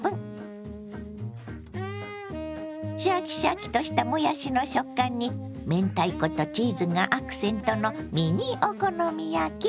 シャキシャキとしたもやしの食感に明太子とチーズがアクセントのミニお好み焼き。